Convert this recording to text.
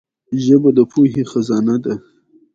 ژبه د پوهي خزانه ده.